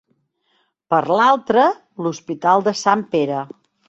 Per l'altra, l'Hospital de Sant Pere.